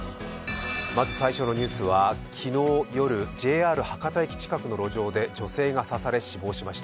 まず最初のニュースは昨日の夜、博多駅近くで女性が刺され死亡しました。